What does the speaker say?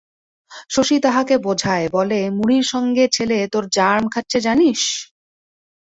শশী তাহাকে বোঝায়, বলে, মুড়ির সঙ্গে ছেলে তোর জার্ম খাচ্ছে জানিস?